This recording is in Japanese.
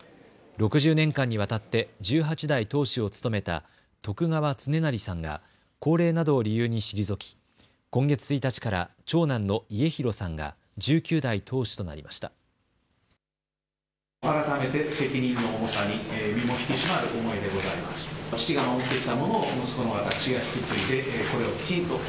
６０年間にわたって１８代当主を務めた徳川恒孝さんが高齢などを理由に退き、今月１日から長男の家広さんが１９代当主となりました。